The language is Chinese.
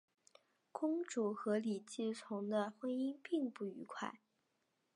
公主和李继崇的婚姻不愉快。